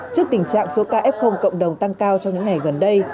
trước tình trạng số ca f cộng đồng tăng cao trong những ngày gần đây